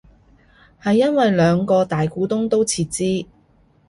係因為兩個大股東都撤資